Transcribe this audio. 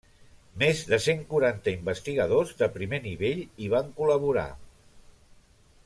Més de cent quaranta investigadors de primer nivell hi van col·laborar.